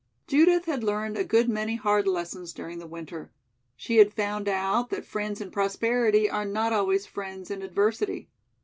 Judith had learned a good many hard lessons during the winter. She had found out that friends in prosperity are not always friends in adversity.